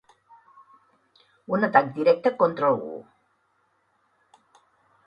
Un atac directe contra algú.